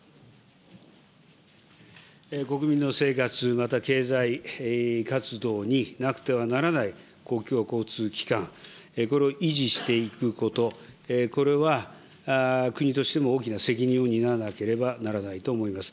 国民の生活、また経済活動になくてはならない公共交通機関、これを維持していくこと、これは、国としても大きな責任を担わなければならないと思います。